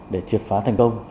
để triệt phá thành công